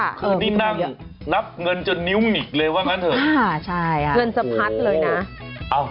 คือนี่นั่งนับเงินจนนิ้วหงิกเลยว่างั้นเถอะเงินสะพัดเลยนะ